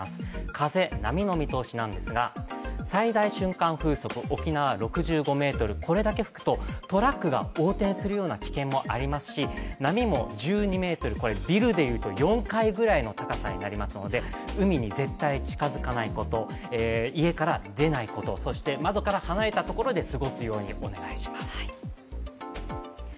風、波の見通しなんですがこれだけ吹くとトラックが横転するような危険もありますし、波も１２ｍ、ビルでいうと４階ぐらいの高さになりますので、海に絶対に近づかないこと、家から出ないこと、そして窓から離れたところで過ごすようにお願いします。